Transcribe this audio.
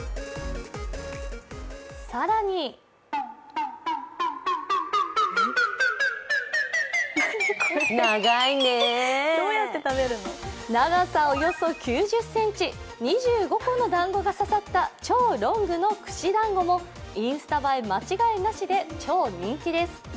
更に長さおよそ９０ｃｍ、２５個のだんごがささった超ロングの串だんごもインスタ映え間違いなしで超人気です。